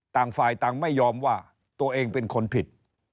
ต่างฝ่ายต่างไม่ยอมว่าตัวเองเป็นคนผิด